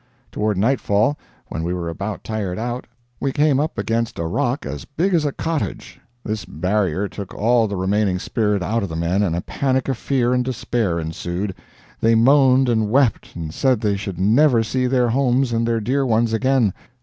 Toward nightfall, when we were about tired out, we came up against a rock as big as a cottage. This barrier took all the remaining spirit out of the men, and a panic of fear and despair ensued. They moaned and wept, and said they should never see their homes and their dear ones again.